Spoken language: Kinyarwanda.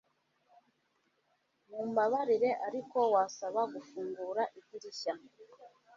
Mumbabarire ariko wasaba gufungura idirishya